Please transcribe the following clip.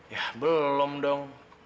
yah belum dong